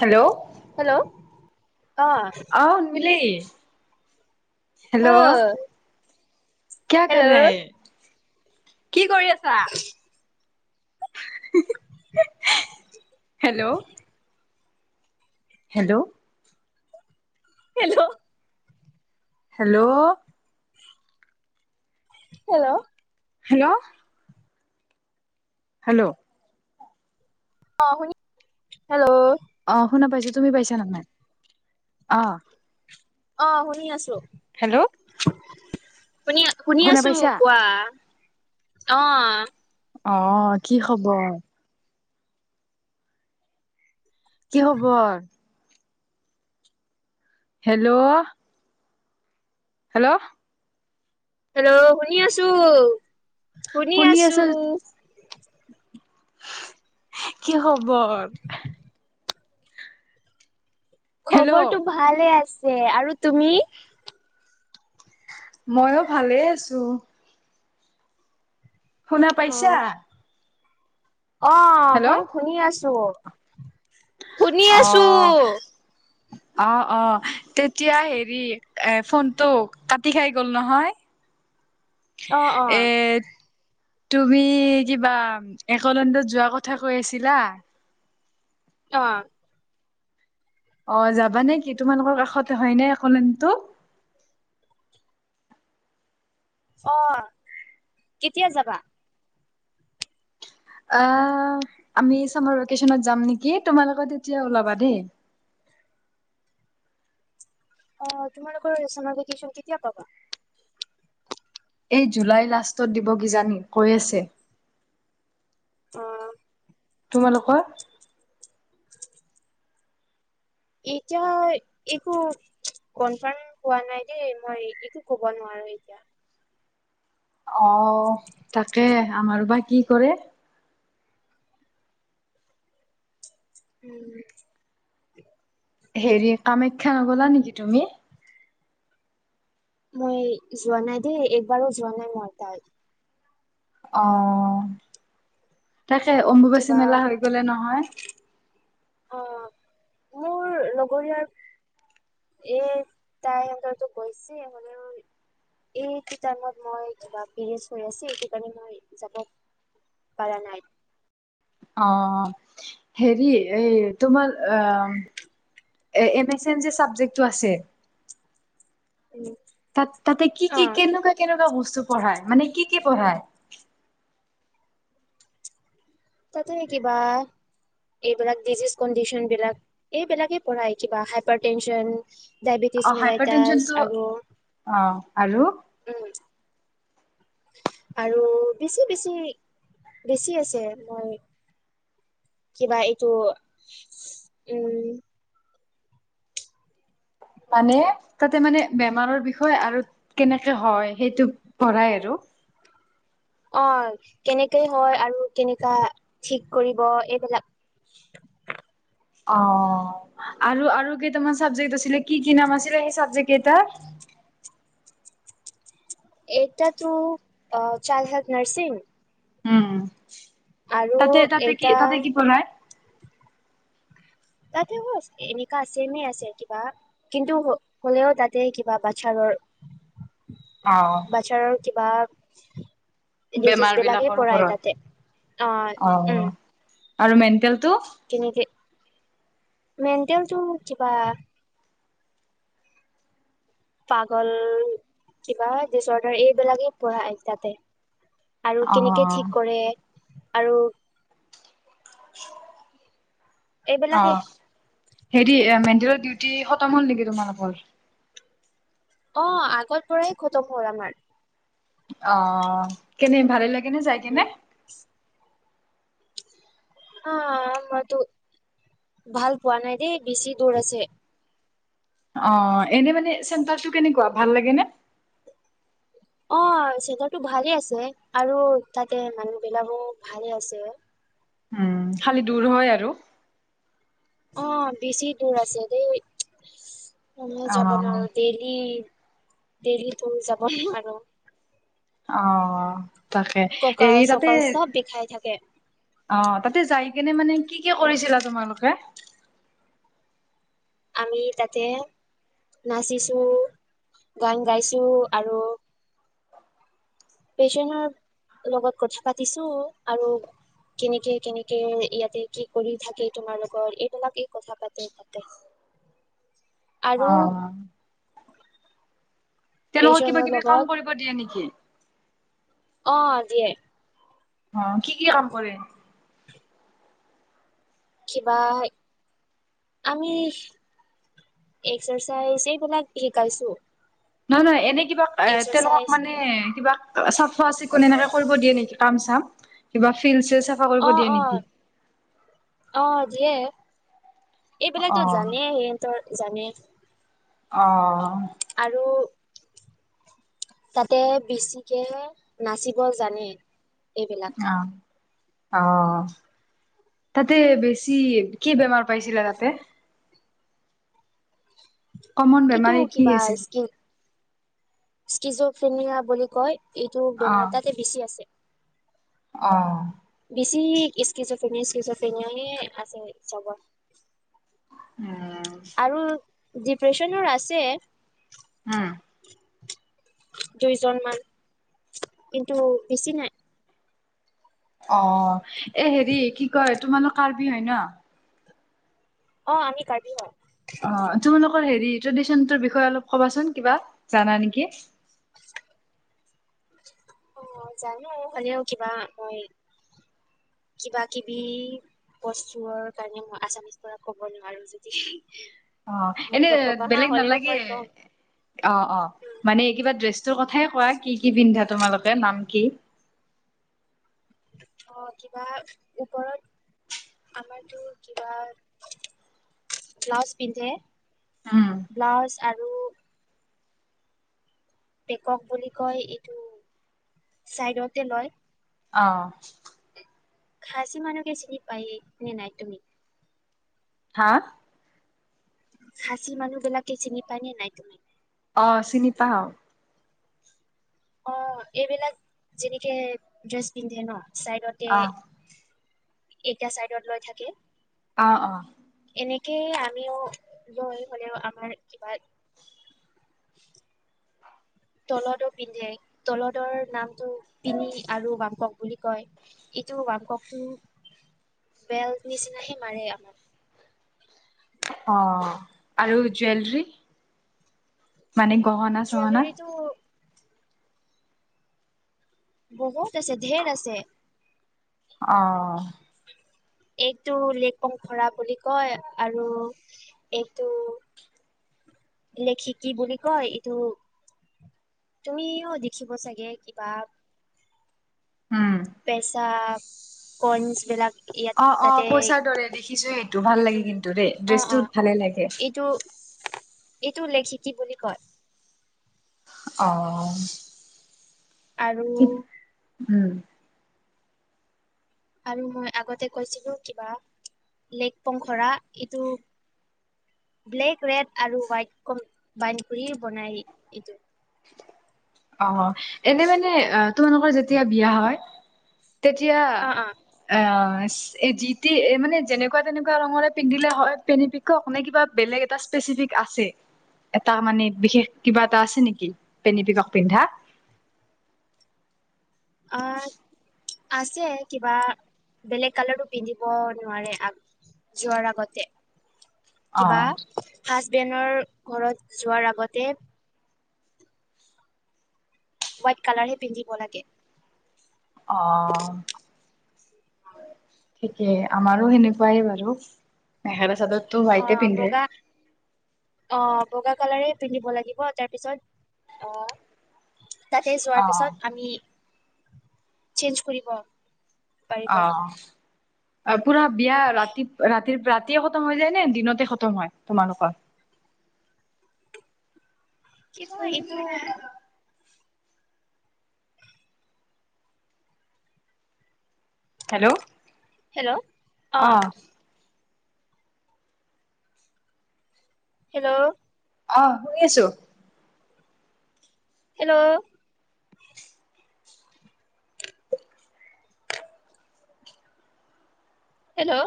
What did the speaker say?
Hello hello. অ আহন মিলি। হেল্ল' অ ক কৰ ৰে হেল্ল' হ। কি কৰি আছা। Hello. Hello. Hello. Hello. Hello. Hello. Hello. অ শুনি হেল্ল' আহ শুনা পাইছো তুমি পাইছা নহাই আহ অ শুনি আছো। হেল্ল'। শুনি শুনি শুনা আছো পাইছা কোৱা অ। অ কি খবৰ। কি খবৰ। হেল্ল'। হেল্ল'। হেল্ল' শুনি আছো শুনি আছো। কি খবৰ। হেল্ল' খবৰটো ভালে আছে আৰু তুমি। মই ভালেই আছো। শুনা পইচা। অহ, মই শুনি আছো- শুনি আছো। অহ - অহ তেতিয়া হেৰি এ ফোনটো কাটি খাই গল নহয়। [inaudible] অহ - এ অহ তুমি কিবা একলন্দত যোৱা কথা কৈ আছিলা? অ', অহ, যাবা নেকি তোমালোকৰ কাষতে হয় নে একলেণ্ডটো? অহ, কেতিয়া যাবা? আহ, আমি চামাৰ ভেকেশচনত যাম নেকি তোমালোকে তেতিয়া ওলাবা দেই। [inaudible] অহ, তোমালোকৰ চামাৰ ভেকেশন কেতিয়া পাবা? এই জুলাই লাষ্টত দিব কিজানি কৈ আছে। অহ তোমালোকৰ? [inaudible] এতিয়া একো কনফাৰ্ম হোৱা নাই দেই মই ৰেডীটো কব নোৱাৰো এতিয়া অহ, তাকে আমাৰো বা কি কৰে। উম হেৰি কামাখ্যা নগলা নেকি তুমি? মই যোৱা নাই দেই একবাৰো যোৱা নাই মই তাই অহ তাকে অম্বুবাচী কিবা মেলা হৈ গ'লে নহয়? অহ, মোৰ লগৰীয়াৰ এ তাই [unintelligible] [unintelligible] পাৰা নাই? অহ, হেৰি এই তোমাৰ আহ এম এছ এন যে চাবজেক্টটো আছে উম তাত তাতে কি- অ কি কেনেকুৱা -কেনেকুৱা বস্তু পঢ়ায় মানে কি -কি পঢ়ায়? তাতে কিবা এইবিলাক ডিজিজ কণ্ডিচন বিলাক এইবিলাকে পঢ়ায় কিবা হাইপাৰ টেনশন ডায়বেটিছ, অ হাইপাৰ নিলাইটাছ টেনচনটো আৰু অ আৰু [inaudible] উম আৰু বেছি- বেছি -বেছি আছে মই কিবা এইটো উম মানে তাতে মানে বেমাৰৰ বিষয়ে আৰু কেনেকে হয় সেইটো পঢ়াই আৰু। [inaudible] অহ, কেনেকে হয় আৰু কেনেকা ঠিক কৰিব এইবিলাক অহ আৰু- আৰু কেইটামান চাবজেক্ট আছিলে কি- কি নাম আছিলে সেই চাবজেক্ট কেইটা? এইথ দা true child health nursing um, আৰু তাতে -তাতে কি এটা তাতে কি বনাই? তাতে কচ এনেকা আছে এনেই আছে কিবা কিন্তু হ'লেও তাতে কিবা বাছাৰৰ [inaudible] অ বাচ্ছাৰৰ কিবা ডিজিজ বেমাৰ বিলাকে বিলাকৰ পৰাই তাতে অ ওপৰত অহ আৰু মেন্টেলটো তেনেকে [inaudible] মেণ্টেলটো কিবা পাগল কিবা ডিচঅৰ্ডাৰ এইবিলাকেই পঢ়ায় তাতে। আৰু অ কেনেকে ঠিক কৰে আৰু [unintelligible] অ এইবিলাকে হেৰি মেণ্টেলৰ ডিউটি খতম হ'ল নেকি তোমালোকৰ? অ আগৰ পৰাই খতম হ'ল আমাৰ অ কেনে ভালেই লাগেনে যাই কেনে? অ মইতো ভাল পোৱা নাই দেই বেছি দূৰ আছে। অ এনে মানে চেণ্টাৰটো কেনেকুৱা ভাল লাগে নে? অ চেন্টাৰটো ভালেই আছে আৰু তাতে মানুহ বিলাকো ভালে আছে। উম খালি দূৰ হয় আৰু অ বেছি দূৰ আছে দেই মই মই অ যাব নোৱাৰো ডেইলি, ডেইলি ত যাব নোৱাৰো। অ তাকে কঁকাল এৰি তাতে চকাল চব বিষাই থাকে অ তাতে যাই কিনে মানে কি কি কৰিছিলা তোমালোকে? আমি তাতে নাচিছো, গান গাইছো আৰু পেচেনৰ লগত কথা পাতিছো আৰু কেনেকে কেনেকে ইয়াতে কি কৰি থাকে তোমাৰ লগত এইবিলাকে কথা পাতে তাতে আৰু অহ তেওঁলোকক কিবা পেচনৰ কিবি লগত কাম কৰিব দিয়ে নেকি? অ দিয়ে অ কি কি কাম কৰে। কিবা আমি এক্সাৰচাইজ এইবিলাক শিকাইছো। নহয় নহয় এনেই কিবা এ তেওঁলোকক এক্সাৰচাইজ মানে কিবা চাফা চিকুণ এনেকে কৰিব দিয়ে নেকি কাম চাম। কিবা ফিলছিছ অ অ, অ। দিয়ে এইবিলাক অ ত জানে সিহঁতৰ জানে অ। আৰু। তাতে বেছিকে, নাচিব জানে, এইবিলাক। অ, তাতে বেছি কি বেমাৰ পাইছিলে তাতে। কমন এইটো বেমাৰী কি কিবা আছিল স্কিল সকিজফেমিয়া বুলি কয় এইটো অ বেমাৰ তাতে বেছি আছে। অ। বেছিচে নে আছে চব। [unintelligible] উম। ডিপ্ৰেছনৰ আছে। হম। দুইজন, মান কিন্তু বেছি নাই। অ এই হেৰি কি কয় তোমালোক কাৰ্বি হয় ন। অ আমি কাৰ্বি হয়। অ তোমালোকৰ হেৰি ট্ৰেডিশনৰ বিষয়ে অলপ কবাচোন কিবা জানা নেকি? অ জানো খালিও কিবা মই। উম। কিবা কিবি, বস্তুৰৰ কাৰণে মই আছামিজ পৰা ক'ব নোৱাৰো যদি। অ মোক এনে নকবা হা বেলেগ হ'লেও নালাগে। মই কম অ অ মানে কিবা ড্ৰেছটোৰ কথাই কোৱা কি কি পিন্ধা। তোমালোকে নাম কি? অ কিবা ওপৰত। আমাৰতো কিবা ব্লাউজ পিন্ধে। উম ব্লাউজ আৰু বেকক বুলি কয় এইটো, চাইডতে লয়। অ। খাচি মানুহকে চিনি পায়েই নে নাই তুমি। হা। খাঁচি মানুহ বিলাকে চিনি পাই নে নাই তুমি। অ চিনি পাও অ এইবিলাক, যেনেকে, ড্ৰেছ পিন্ধে ন চাইডতে। অ এটা চাইডত লৈ থাকে। অ অ। এনেকেই আমিও লৈ হলেও আমাৰ কিবা। তলতো পিন্ধে তলতোৰ নামটো পিনি আৰু বাম্পক। বুলি কয়, এইটো মাপক টো। বেল্ট নিচিনাহে মাৰে আমাক। অ আৰু জুৱেলাৰী। মানে গহনা চহনা। জুৱেলাৰীটো [unintelligible] বহুত আছে ধেৰ আছে। অ। এইটো লেং খৰা বুলি কয় আৰু এইটো [unintelligible] লেখি কি বুলি কয় এইটো। তুমিও দেখিব চাগে কিবা। উম পেচাপ কনছ বিলাক ইয়াত অ অ তাতে পইচাৰ দৰে দেখিছো এইটো ভাল উম উম লাগে উম কিন্তু দেই অ অ ড্ৰেছটো ভালে লাগে এইটো [unintelligible] এইটো লেখি কি বুলি কয় অ আৰু ঠিক উম আৰু মই আগতে কৈছিলো কিবা লেক পংখৰা এইটো ব্লেক ৰেড আৰু হোৱাইট কম্বাইন কৰি বনাই এইটো অ এনে মানে তোমালোকৰ যেতিয়া বিয়া হয় তেতিয়া অ অ এ এ যিটি মানে যেনেকোৱা তেনেকোৱা ৰঙৰে পিন্ধিলে হয় পিন্ধি নে কিবা বেলেগ এটা স্পেচিয়েল এটা মানে বিশেষ কিবা এটা আছে নেকি পেনি পিকক পিন্ধা অহ আছে কিবা বেলেগ কালাৰটো পিন্ধিব নোৱাৰে আ যোৱাৰ আগতে অ কিবা হাজবেণ্ডৰ ঘৰত যোৱাৰ আগতে হোৱাইট কালাৰহে পিন্ধিব লাগে অ ঠিকেই আমাৰো সেনেকোৱাই বাৰু মেখেলা চাদত তো অ ৱাইতে পিন্ধে বগা অ বগা কালাৰে পিন্ধিব লাগিব তাৰপিছত অহ তাতে অ যোৱাৰ পিছত আমি চেঞ্জ কৰিব পাৰিব অ পুৰা বিয়া ৰাতি ৰাতিৰ ৰাতি য়ে খতম হৈ যায় নে দিনতে খতম হয় তোমালোকৰ কিবা এইটো [unintelligible] হেল্ল' হেল্ল' অ আহ। হেল্ল'। আহ শুনি আছো। হেল্ল'। হেল্ল'।